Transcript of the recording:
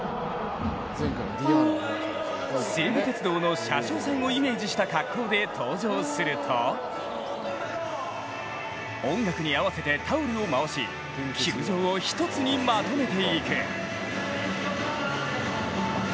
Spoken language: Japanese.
西武鉄道の車掌さんをイメージした格好で登場すると音楽に合わせてタオルを回し球場を一つにまとめていく。